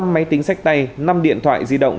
năm máy tính sách tay năm điện thoại di động